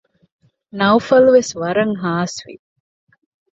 ނައުފަލުވެސް ވަރަށް ހާސްވި